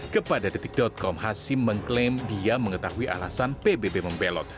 kepada detik com hasim mengklaim dia mengetahui alasan pbb membelot